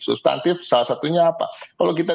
substantif salah satunya apa kalau kita